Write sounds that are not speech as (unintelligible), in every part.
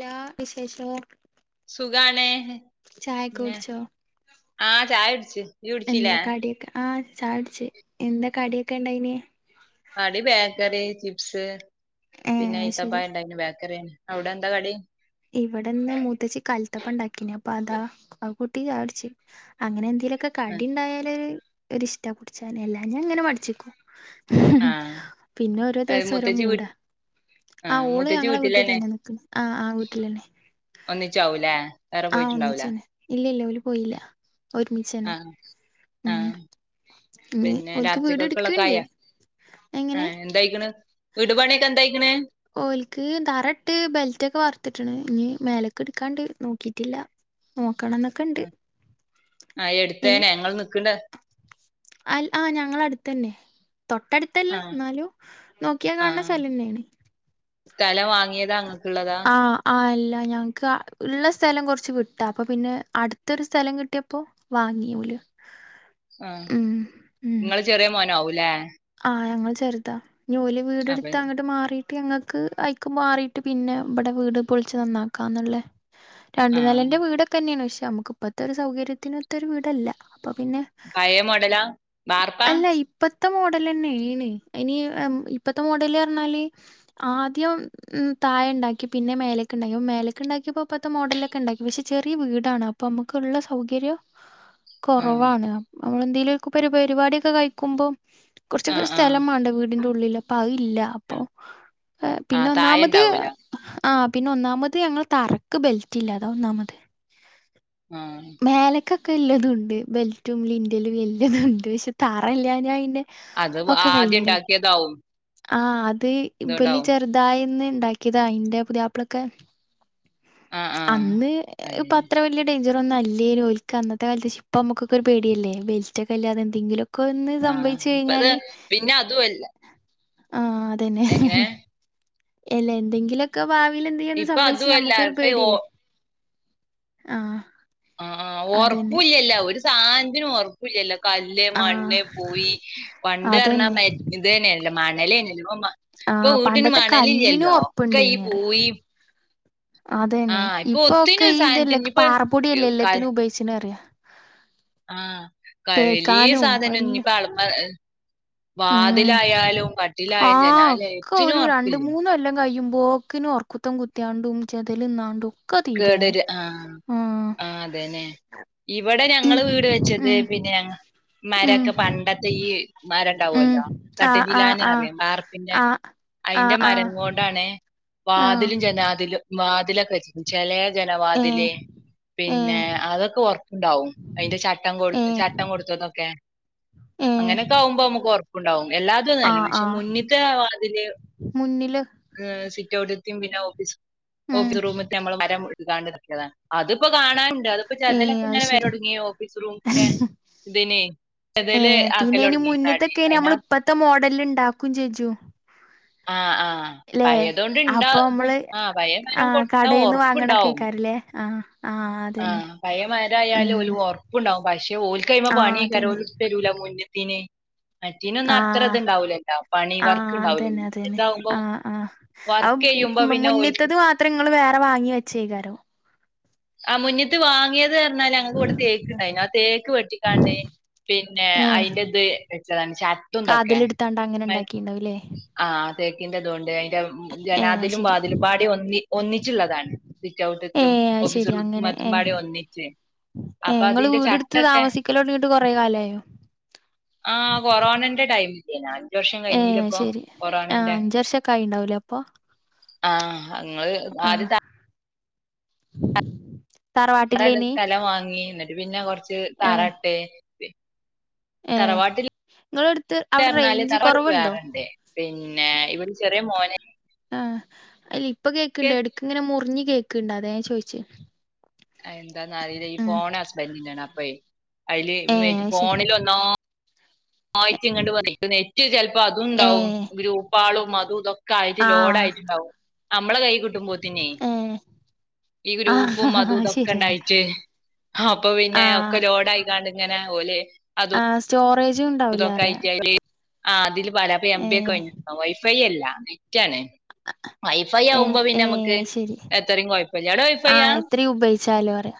ല്ലാ വിശേഷവും. സുഖാണ് പിന്നെ കുടിച്ചോ ആഹ് ചായ കുടിച്ച് ഇച്ച് എന്താ കുടിച്ചില്ലേ കടിയൊക്കെ ആഹ് ചായ കുടിച്ച്. എന്താ കടിയൊക്കെ ഇണ്ടായിന്? കടി ബേക്കറി ചിപ്സ് ഏഹ് പിന്ന അത് ശരി ഈത്തപ്പയം ഇണ്ടയ്ന്നു ബേക്കറിന്നേ. അവ്ടെ എന്താ കടി? ഇവിടെന്ന് മൂത്തച്ചി കലത്തപ്പണ്ടാക്കിന്. അപ്പ അതാ. അത് കൂട്ടി ചായ കുടിച്ചു അങ്ങനെ എന്തെലൊക് ക്കെ കടി ഉണ്ടായാല് ഒരു ഇഷ്ട കുടിച്ചന എല്ലാം ഞാൻ ഇങ്ങനെ മടിച്ചിക്കോ ആ പിന്നോരോ ആ ദിവസം ഓരോ മുത്തച്ചി വീ മൂടാ ആ ഓള് മുത്തച്ചി ഞങ്ങളെ വീട്ടിൽ വീട്ടിലന്നെ തന്നെ നിക്കുന്നു ആ ആ ഒ നല്ലന്നെ (unintelligible) ഒന്നിച്ചാവൂലേ വേറെ ആ പോയിട്ടുണ്ടാവൂലേ ഒന്നിച്ചന്നെ ഇല്ല ഇല്ല ഓൽ പോയില്ല ആ ഒരുമിച്ചേന്നെ ആ ഇനി പിന്നെ ഓൽക്ക് വീട് രാത്രിക്കക്കുള്ളതൊക്കെ ഇട്ക്ക്ണ്ട് ആയോ എങ്ങനെ എന്തായിക്ക് ണ് വിടുപണിക്കെ എന്തായിക്കണ ഓൽക്ക് തറ ഇട്ട് ബെൽറ്റക്കെ വാർത്തിട്ടണ് ഇ നി മേലൊക്കെ എടുക്കാണ്ട് നോക്കിട്ടില്ല നോക്കണംന്നൊക്കെ ഇണ്ട് ഉം. ആ ഇനി എടുത്തേനെ ഇങ്ങള് നിക്കണ്ട അൽ ആ ഞങ്ങള അടുത്തെന്നെ തൊട്ടടുത്ത് ല്ല ആ (unintelligible) എന്നാലും നോക്കിയാൽ ആ കാണുന്ന സ്ഥലം തന്നെയാണ് സ്ഥലം വാങ്ങിയതാ നിങ്ങക്കുള്ളതാ ആ ആ അല്ല ഞങ്ങൾക്ക് ഉള്ള സ്ഥലം കുറച്ച് വിട്ടാ അപ്പൊ പിന്നെ അടുത്തൊരു സ്ഥലം കിട്ടിയപ്പോ വാങ്ങിയോല് ആ നിങ്ങള് ചെറിയ മോനാവൂല്ലേ ആ ഞങ്ങൾ ചെറുതാ ഞോല വീട് അപ്പൊ എടുത്ത് അങ്ങോട്ട് മാറി ഞങ്ങൾക്ക് അയിക്ക് മാറിട്ട് പിന്നെ ഇവിടെ വീട് പൊളിച്ച് നന്നാക്കാന്നല്ലേ ആ രണ്ടു നിലന്റെ വീടൊക്കെ തന്നെയാണ് പക്ഷേ നമ്മുക്ക് ഇപ്പത്തെ ഒരു സൗകര്യത്തിനൊത്ത ഒരു വീടല്ല അപ്പൊ പിന്നെ പയെ മോടലാ ബാർപ്പ അല്ല ഇപ്പത്തെ മോഡലാന്നെണ് ഇനി ഇപ്പത്തെ മോഡല് പറഞ്ഞാല് ആദ്യം ഉം താഴണ്ടാക്കി പിന്നെ മേലക്ക് ഉണ്ടാക്കി അ മേലക്കെണ്ടാക്കിയപ്പോ ഇപ്പത്തെ മോഡലൊക്കെ ഉണ്ടാക്കി പക്ഷെ ചെറിയ വീടാണ് ഇപ്പൊ നമുക്കു ഉള്ള സൗകര്യം ആഹ് കുറവാണ് നമ്മൾ എന്തെേലുംക്കെ പരിപാടൊക്കെ കഴിക്കുമ്പോ കുറച്ചൊക്കെ ആഹ് ആഹ് സ്ഥലം മാൻണ്ടേ വീടിൻന്റെ ഉള്ളില് അപ്പൊ അതില്ല അപ്പൊ ആഹ് പിന്നെ ആഹ് താഴെ ഒന്നാമത് ഇണ്ടാവൂല അ ആഹ് പിന്നെ ഒന്നാമത് ഞങ്ങൾ തറക്ക് ബെൽറ്റില്ലാതാ ഒന്നാമത് ആ (unintelligible) മേലക്കൊക്കെ എല്ലാതു ഉണ്ട് ബെൽറ്റും ലിൻറലും എല്ലാതും ഉണ്ട് പക്ഷെ താറല്ലഞാ അതി അത് ആദ്യം ഉണ്ടാക്കിയതാവും ആ അത് ഇ വലി ചെറുതായിന്ന് ഇണ്ടാക്കിയതാ അയിന്റെ പുതിയാപ്പളൊക്കെ ആഹ് ആഹ് അന്ന് ഇപ്പ അതന്നെ അത്ര വലിയ ഡേഞ്ചറർന്നുല്ലേൽക്ക് അന്നത്തെ കാലത്ത് ഇപ്പം നമക്കെ ഒരു പേടിയല്ലേ ബെൽറ്റ് ഒക്കെ അല്ലാതന്തെിലും ക്കൊന്നും സംഭവ ഇപ്പ അത് പിന്നെ അതുംല്ല ആ അതന്നെ എല്ല എന്തെങ്കിലുമൊക്കെ ഭാവിൽ എന്തെങ്കും ഒന്ന് ഇപ്പൊ സംഭവിച്ച് അതുവല്ല നമ്മുക്കൊരു ഇപ്പ ഈ ഓ പേടില്ലേ ആഹ് ആഹ് ആഹ് അതന്നെ ഉറപ്പൂല്ലല്ല ഒരു സാനത്തിനും ഉറപ്പ് ല്ലല്ലോ കല്ല്, ആഹ് മണ്ണ്, പൂയി, പണ്ട്ർഞ്ഞാ അതന്നെ മേ ഇത് തന്നെയല്ലോ മണല് തന്നെയല്ലോ ഇപ്പൊ ആഹ് വീട്ടിന് പണ്ടത്തെ കല്ലിനും മണലില്ലല്ലോ ഒക്ക ഈ പൂയിം ആഹ് അതെന്നെ ഇപ്പൊക്കെ ഒത്തിനും ഇതെല്ലെ സാധനത്തിന് ഇനിപ്പോ പാറപ്പൊടിയല്ലേ എല്ലാത്തിനും ഉപയോഗിച്ച അറിയ ആഹ് കൈലിയ തേക്കാനും സാധനം എല്ല ഇന്നപ്പ അളപ്പ ഉം വാതിലായാലും കട്ടിലായാലും ജനാലയിലും എത്തിനും ഉറപ്പില്ല (unintelligible) കൊല്ലാം കഴിയുമ്പോൾ ക്കിന് ഓർക്കുത്തം കുത്തിയാണ്ടും ചെതിൽ ഇന്നാണ്ടും കേടരു ആഹ് ആഹ് അതേന്നെ ഇവിടെ ഞങ്ങള് വീട് വെച്ചത് ഉം പിന്നെ ഉം ഞമാരൊക്കെ പണ്ടത്തെ ഈ മരം ഉം ഉണ്ടാവുമല്ലോ ആഹ് ആഹ് തട്ടിചിലന്ന ആഹ് അറിയാം ആർപ്പിന്റെ ആഹ് അയിന്റെ ആഹ് മരം ആഹ് കൊണ്ട് താണ് ആഹ് വതിലും ജനാതിലും വാതിലൊക്കെ ചേലെ ഏഹ് ജനവാതില് പിന്നെ ഏഹ് അതൊക്കെറപ ഇണ്ടാവും അയിന്റെ ചട്ടം കൊടു ഏഹ് ചട്ടം കൊടുത്തതൊക്കെ ഏഹ് അങ്ങനെയൊക്കെ ആകുമ്പോ നമ്മ ക്കുണ്ടാവും എല്ലാത്തുന്ന് അല്ല ആഹ് പക്ഷെ ആഹ് മുന്നിത്തെ അതില് മുന്നില് ഇം സിറ്റ് ഔട്ട്ത്തിയും പിന്നെ ഓഫീസ് ഉം ഓഫീസ് റൂമി (unintelligible) അതിപ്പോ കാണണ്ട് അത്പ്പോ ഏഹ് ചതലൊക്കെ അത് ഇങ്ങനെ ശരി വരോട്ങ്ങി ഓഫീസ് റൂമത്തെ തിനെ ചെതല് ആക്കലോട്ങ്ങി അതിന് ത്ത മോഡലിൽ ണ്ടാക്കും ചേച്ചും. ആഹ് ആഹ് ലെ അപ്പൊ മ്മള് പഴയ മരം ആഹ് കൊടുത്താ കടേന്ന് വാങ്ങ്ണാെക്കെയ്രെലേ ആഹ് ആഹ. ആഹ പയേമരായാല് ഒരു ഉറ്പ്പ്ണ്ടാാവും പക്ഷെ ഓൽക്ക് അയ്മേ ആഹ് അതന്നെ പണിയെക്കാരം തരൂല മുന്ന്ത്തീന് മറ്റെനൊന്നും അത്ര ആഹ് ഇത്ണ്ടാവുലല്ലേ പണി വർക്ക് ആഹ് ഇണ്ടാവൂലല്ലോ അതന്നെ അതന്നെ മുറ്റതാവുമ്പം ആഹ് ആഹ് വർക്കെയ്യുമ്പോ പിന്നെ ഒൽക്ക് എത്ര ങ്ങള് വേറെ വാങ്ങി വെച്ചേക്കാരോ ആ മുന്നിത്തെ വാങ്ങിയത് പറഞ്ഞാല് ഞങ്ങക് ഇബടെ തേക്ക് ഇണ്ടായിന ആ തേക്ക് വെട്ടിക്കാണ്ടേ പിന്നെ അതിന്റെറ ത് വെച്ചതാണ് ശർട്ടും തൊക്കെ ഇതിലെടുത്താണ്ട് അങ്ങനെ ണ്ടാക്കിണ്ടാവുല്ലേ ആഹ് തേക്കിന്റെതോണ്ട് അയിന്റെ (unintelligible) ഏഹ് ജനാതിലും ശരി വാതിലുമ്പാഡിം ഒന്നി ഒന്നിച്ച്ള്ളതാണ് സിറ്റഔട്ട്ത്തും ഏഹ് അത് ശരി (unintelligible) അങ്ങനെ ഏഹ് മമ്പാടെ ഒന്നിച്ച് ഏഹ് അപ്പൊ ഇങ്ങള് അതിന്റെ വീടെടുത്ത് ചട്ടൊക്കെ താമസിക്കലൊടങ്ങിട്ട് കൊറേ കാലായോ ആഹ് കൊറോണന്റെ ടൈമില്ലേ ഞാൻ. അഞ്ച്വർഷം ഏഹ് കഴിഞ്ല്ലപ്പ ശരി ആഹ് കൊറോണന്റെ. അഞ്ച് വർഷൊക്കെ ആയിണ്ടാവൂലേ അപ്പൊ ആഹ് ഇങ്ങള് ആഹ് ആര് (inaudible) വെറോ ഏതോ തറവാട്ടിലേനി സ്ഥലം വാങ്ങി ന്നട്ട് പിന്നെ കൊറച്ച് ഏഹ് തറട്ട് പി ഏഹ് തറവാട്ടിൽ ഇങ്ങളെടുത്ത് അവിടെ ലറ്ഞ്ഞാല് റേഞ്ച് തറവാട്ടിൽ കൊറവുണ്ടോ വേറെണ്ട് പിന്നെ ഇവടെ ചെറിയ മോനെ ആഹ അല്ല ഇപ്പൊ കേക്കണ്ട് എടക്ക ഇങ്ങനെ മുറിഞ്ഞ കേക്കണ്ട് അതെ ഞാൻ ചോയിചെ അഹ് എന്ത്ന്നറീല ഈ ഫോൺ ഹസ്ബൻഡിന്റെണ് അപ്പെ അയില് ഏഹ് അത് ശരി ഫോണിലൊന്നോ വായിച്ച്‌ങ്ങാട് പറയ്‌ നെറ്റ് ചലപ്പോ അതുംണ്ടാവും ഏഹ് ഗ്രൂപ്പാളും അതും ഇതൊ ഒക്കെയിട്ട് ആഹ് ലോഡയിട്ടുണ്ടാവും മ്മളെ കൈയ്യ് കിട്ടുമ്പോത്തിന്നേ ഏഹ് ഈ ഗ്രൂപ്പും ആഹ് അതുംതൊക്കെ ശരിയാണ് ഉണ്ടായിട്ട് അപ്പൊ പിന്നെ ഒക്കെ ആഹ് ലോഡായി ണ്ട് ഇങ്ങനെ ഓല് ആഹ് സ്റ്റോറേജും ഉണ്ടാ പുതൊക്കെ കയറ്റ്യാല് ആ അതില് പല എം ബി ഒക്കെ ഏഹ് കഴിഞ്ഞ് വൈഫൈ അല്ല നെറ്റ് ആണ് (inaudible) ഏഹ് ഏഹ് അയ്ശരി എത്രയും കുഴപ്പല്ല അവിടെ ആ വൈഫൈയാ എത്ര ഉപയോഗിച്ചാലും അറയാ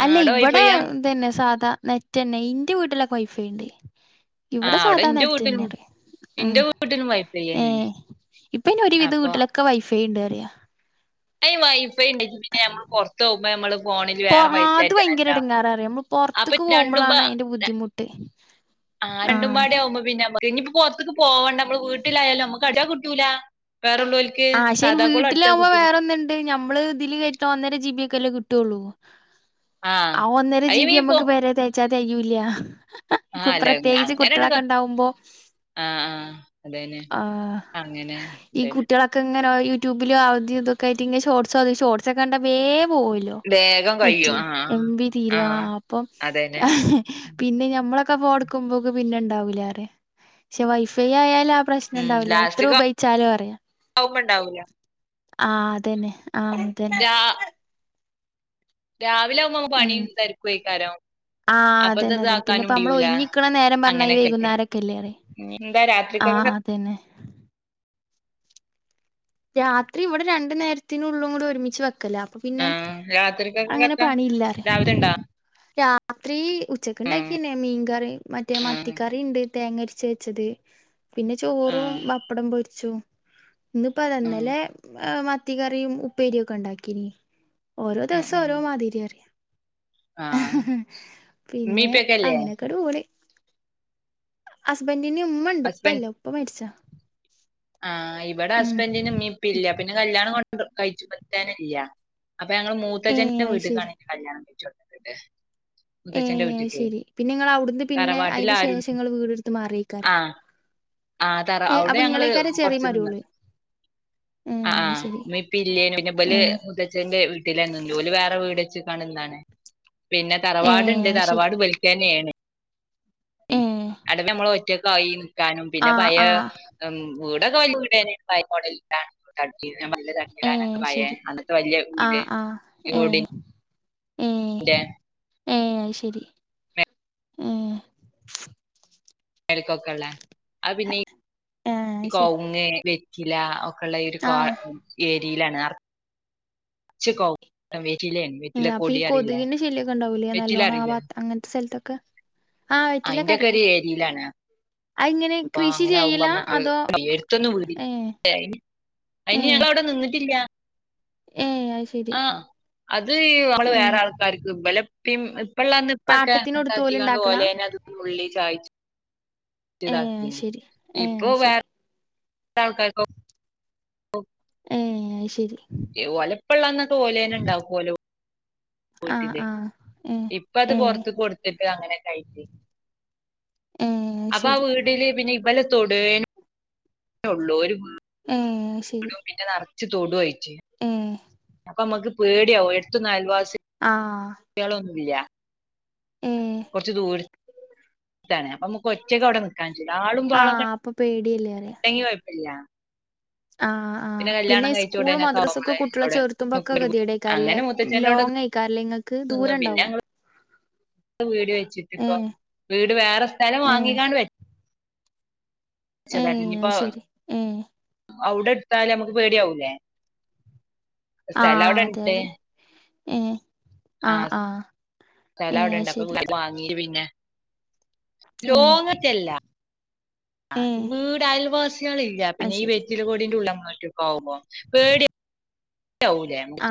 ആ അല്ല അവിടെ ഇവിടെ വൈഫൈയാ തന്നെ സാധാ നെറ്റന്നെ ഇന്റെ വീട്ടിലൊക്കെ വൈ ഫൈണ്ട്. ആ ഇവിടെ അവിടെ സാധാ ഇന്റെ നറ്റ് വീട്ടിലും തന്നെ ഉം ഇന്റെ വീട്ടിലും വൈഫൈ തന്നെയാണ് ഏഹ് ഇപ്പൊ ഒരു വിധ അപ്പൊ വീട്ടിലൊക്കെ വൈഫൈ ണ്ട് അറിയ. വൈഫൈ ഇണ്ടങ്കി പിന്നെ മ്മള് പുറത്ത് പോകുമ്പോ നമ്മള് ഫോണിൽ വേറെ പൈസ കെറ്റനല്ലോ? പൊർത്ത്ക്ക് പോവുമ്പളാണേ അയിന്റെ ര- ബുദ്ധിമുട്ടേ ആ രണ്ടും പാട്യാവുമ്പോ പിന്നമ്മക് ഇഞ്ഞിപ്പോ പൊർത്തിക്ക് പോണ്ട അമ്മള് വീട്ടിലായാലും മ്മക്ക് (unintelligible) കിട്ടൂല വേറെള്ളോല് ആ ശേ വീട്ടിലാകുമ്പോ വേറെ ന്നുണ്ട് ഞമ്മള് ഇതില് കയറ്റോ ഒന്നര ജി ബിയ ഒക്കെല്ലേ കിട്ടൊള്ളു. ആ ഒന്നര അയ്യ ജിബി നീ പോ ഞമ്മുക്ക് പേരെ തയ്ച്ചാതെയ്യൂല്യ ആ പ്രത്യേകിച്ച് കുട്ടളൊക്കെണ്ടാവുമ്പോ. ആഹ ആഹ അതന്നെ അങ്ങനെ. ഈ അതന്നെ കുട്ടികളൊക്കെ ഇങ്ങനെ യൂട്യൂബിലോ അവധി ഇതൊക്കെയിട്ട് ഇ ഷർട്സ് തി ഷോർട്സ് ഒക്കെ കണ്ടാേ വേമ പോവല്ലോ. വേഗം നെറ്റ് കഴിയും ആ ആ എം ബി ആ തീരുവാ അപ്പം. അതന്നെ പിന്നെ ഞമ്മളൊക്കെ ഫോണിട്ടുക്കുമ്പോക്ക് പിന്നെ ഇണ്ടാവൂല പറയാ പക്ഷെ വൈഫൈ ആയാല പ്രശ്നം ഉണ്ടാവുല്ല എത്ര ഉപയോഗിച്ചാലും അറിയാ. തൗപ്പ് ഉണ്ടാവൂലാ. ആഹ് അതന്നെ ആഹ് അതെ. രാ രാവിലെ ആവുമ്പോ ഞമ്മക്ക് പണിയും തെരക്കും ആയിക്കാരം. ആഹ് അതന്നെ അതന്നെ പിന്നെ ഇപ്പം നമ്മള് ഒഴഞ്ഞിരിക്കണ നേരം പറഞ്ഞ അങ്ങനെയൊക്കെ ആയിട്ട് വൈകുന്നരൊക്കെല്ലേ പറയാ. എന്താ രാത്രിക്കേക്കേ? പിന്നെ. രാത്രി ഇവിടെ രണ്ടു നേരത്തിനുള്ളതും കൂടി ഒരുമിച്ച് വെക്കലാ. ആ പിന്നെ രാത്രിക്കൊക്കെ അങ്ങനെ എത്താ പണിയില്ലാ പറയാ. രാവിലെ ഇണ്ടാ രാത്രി ഉച്ചക്ക് ഉം ഉണ്ടാക്കിയതന്നെ മീൻകറി മറ്റേ ഉം മത്തിക്കറിണ്ട് തേങ്ങ അരച്ച് വെച്ചത്. പിന്നെ ആ ചോറും പപ്പടം പൊരിച്ചതും. ഇപ്പതാ ഉം ഇന്നലെ മത്തി കറിയും, ഉപ്പേരി ഒക്കെ ഉണ്ടാക്കീനി. ഓരോ ഉം ദിവസം ഉം ഓരോ മാതിരി പറയാ ആ ഉമ്മീം പിന്നെ ഇപ്പൊക്കെല്ലേ അങ്ങനൊക്കെ. ഒരു ഊര്. ഹസ്ബന്റിന് ഉമ്മയുണ്ട് ഉപ്പ ഇല്ല ഉപ്പ മരിച്ചതാ. ആഹ് ഇവിടെ ഹസ്ബന്റിന് ഇമ്മേ ഇപ്പേ ഇല്ല പിന്നെ കല്യാണം കൊ കഴിച്ചുമറ്റാനില്ല അപ്പൊ ഞങ്ങള് ഏ മൂത്തഛന്റെ അത് ശരി വീട്ട്ക്കാണ്. കല്യാണം കഴിച്ചു കൊടുക്കണുണ്ട്. ഏഹ് അയ് ശെരി പിന്നെ ഇങ്ങള് അവിടുന്ന് പിന്നെ തറവാട്ടിൽ അതിന്റെ ആരും ശേഷം ഇങ്ങള് വീട് എടുത്ത് മാറിയേക്കാരം. ആഹ് തറ ഏ അവിടെ അപ്പൊ ഞങ്ങള് ഇങ്ങളേക്കാരം ചെറിയ കൊറച്ച് നിന്ന്. മരുമോള് ഏ ആഹ് അത് ആഹ് ശരി ഇമ്മേ ഇപ്പേ ഇല്ലേയ്ന് പിന്നെ ഏ ഇവല്. മുത്തച്ന്റെ വീട്ടി ലെന്നു ഓല് വേറെ വീട് വച്ച് കാണ്ട് നിന്നതാണ് പിന്നെ. ഏ തറവാട് ഇണ്ട് അത് ശരി തറവാട് ഇബൽക്ക് തന്നെയാണ്. ഏഹ്. അവിടെ പിന്നെ നമ്മളൊറ്റക്കായി നിക്കാനും പിന്നെ ആ പയേ വിടോക്കെ വലിയ വീട്ന്നെ. (unintelligible) ഏ ശരി (unintelligible) എന്നിട്ട് വലിയ ആ വീട്. ആ ഏ (unintelligible) ന്റെ. ഏഹ് അയ് ശരി ഏഹ്. ക്കൊക്കെയുള്ള അത് പിന്നെ ആ അത് ശരി കവുങ്ങ്, വെറ്റില ഒക്കെ ഒക്കെ ഉള്ള ഒരു ആ കാ ഏരിയിലാണ് ആർ (inaudible) ച്ച് കൊ ആഹ് അപ്പൊ ഈ കൊതുകിന്റെ ശല്യക്കെ ഉണ്ടാവൂലെ വെറ്റില നല്ലോണം അറിയില്ലേ ആ അങ്ങനത്തെ സ്ഥലത്തൊക്കെ. ആഹ് വെറ്റിലയൊക്കെ അയിന്റൊക്കെ അറിയാം അയ് എങ്ങനെ. ആഹ് അങ്ങനെയാകുമ്പം ഞമ്മക്ക് എടുത്തൊന്നു വീട് ഇ. ഏ (unintelligible) അയിന് ഞങ്ങള് അവിടെ നിന്നിട്ടില്ല. ഏഹ് അയ് ശെരി. ആഹ് അത് അവള് വേറെ ആൾക്കാർക്ക് ഇബലെ ഇപ്പയും ഇപ്പ ഒള്ളാ അന്ന് ഇപ്പൊക്കെ പാട്ടത്തിനൊടുത്ത് ഓല് ഇണ്ടാക്കിങ്ങാണ്ട് ഇണ്ടാക്കണ ഓലയിന്അത്. ഉള്ളി ചലിച്ച് ഏ അത് ഇതാകുല്ലേ ശരി ഏ ഇപ്പൊ അത് ശരി വേറെ. ഉള്ള ആൾക്കാര്ക്ക്. ഓ ഏഹ് അയ് ശരി. ഓലേ ഇപ്പ ഒള്ളന്നൊക്കെ ഓല് തന്നെ ഇണ്ടാക്കും ഓലേ ആ വീട്ടില് ആ ഏ ഇ ഇപ്പ അത് ഏ പുറത്ത് കൊടുത്തിട്ട് അങ്ങനെ ഒക്കെ ആയിട്ട്. ഏഹ്. അപ്പൊ ആ വീടില് പിന്നെ ഇവലെ തൊടെന്നൊള്ളൂ ഒരു ഏ ടും പിന്നെ നിറച് തൊടു ആയിറ്റ് ഏഹ് അപ്പമ്മക്ക്പേട്യാവും എട്തൊന്നും അയൽവാസി ആഹ് കുട്ട്യാളൊന്നുല്ല കൊർച്ച് ദൂര് പ്പൊ നമുക്ക് ഒറ്റക്ക് അവിടെ നിക്കാഞ്ചൂല ആളും ആ പാളൊക്കെ അപ്പൊ പേടിയല്ലേ ണ്ടങ്കികൊയപ്പല്ല്യ ആഹ് ആഹ് പിന്നെ കഴിച്ച സ്കൂള് ഉടനൊക്കെ മദ്രാസൊക്കെ ആവുമ്പളെ കുട്ട്യളെ അവിടെ ചേർത്തുമ്പൊക്കെ കെദിയെടുയിക്കാരല്ലേ അങ്ങനെ മുത്തച്ഛനോട് ലോങ് ആയിക്കാരല്ലേ ങ്ങ ക്ക് നിന്നു പിന്നെ ദൂരംണ്ടാവും വീട് വെച്ചിട്ട് ഏ ഇപ്പം വീട് വേറെ സ്ഥലം ഏ വാങ്ങിക്കാണ്ട് വെ ഏ (unintelligible) ഇഞ്ഞ്പ്പോ അത് ശരി ഏ ഔടെട്ത്താല് അമ്മക്ക് പേട്യാവൂലേ സ്ഥലവ്ടെണ്ട് ഏഹ് ആഹ് സ്ഥലം അവ്ടെണ്ട് അപ്പൊ ശരി (unintelligible) മാ നീര് പിന്നെ ഏ ലോങ്ങെറ്റെല്ലാ ഏ വീട് അയൽവാസികളില്ല അത് പിന്നെ ഈ ശരി വെറ്റിലകോടിന്റെ ഉള്ളില് നമ്മളൊറ്റക്കാവുമ്പോ പേട്യ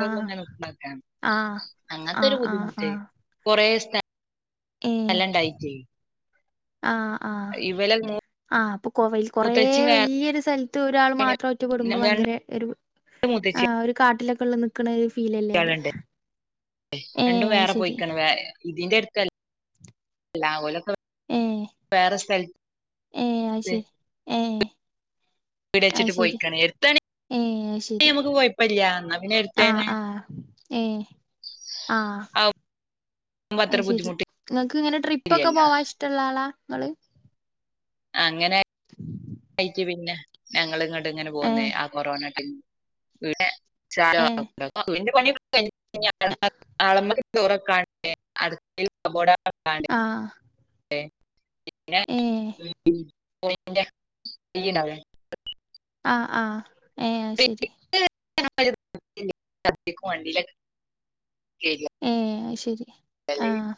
ആഹ് ആഹ് അങ്ങൻത്താെര് ആഹ് ആഹ് ബുദ്ധിമുട്ട് ആഹ് കൊറേ സ്ത ഏ സ്ഥലണ്ടായിട്ടേ ആഹ് ആഹ് ഇവലെ ആഹ് അപ്പൊ കാെ കൊറേ മൂത്തച്ചി വേറെ വല്ല്യാെരു സ്ഥല്ത്ത് ഒരാള് മാത്രം ഒറ്റപ്പെടുമ്പം രണ്ട് ഭയങ്കെരെ ഒര് ആഹ് ഒരു കാട്ടിലൊക്കെ ഉള്ള നിക്കണ ഒരു ഫീലല്ലേ അറിയ മൂത്തച്ചികളുണ്ട് ഏ രണ്ടും അത് വേറെ ശരി പോയിക്കാണ് ഇതിന്റെ അടുത്തല്ല ഓലക്കെ വേറെ സ്ഥ ഏഹ് അയ്ശരി ഏഹ് വീടച്ചിട്ട് പോയിക്കാണ് എട്ത്താണ ഏ അത് ശരി മ്ക്ക് കൊഴപ്പില്ല്യാ ന്നാ പിന്നെ ആഹ് എട്ത്തേന്നെ ആഹ് ഏ ആഹ് ആവുമ്പോ അത്ര അയ്ശെരി ബുദ്ധിമുട്ട് ഇങ്ങക്ക്ങ്ങനെ ട്രിപ്പൊക്കെ ഇല്ലല്ലോ പോവാൻ ഇഷ്ടള്ള ആളാ ഇങ്ങള് അങ്ങെനെ ആയിറ്റ് പിന്നെ ഞങ്ങിള്ങ്ങട്ട്ങ്ങനെ ഏ പോന്നേ ആ കൊറോണ ടൈം ഏ (unintelligible) (inaudible) ആഹ് പിന്നെ ഏ (inaudible) ആഹ് ആഹ് ഏ അത് ശരി (unintelligible) കയറിയല്ലേ ഏഹ് അയ്ശെരി ആഹ്